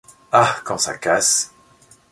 Ah! quand ça casse...